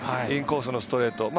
インコースのストレート。